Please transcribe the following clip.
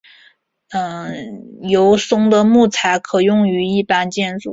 油松的木材可用于一般建筑。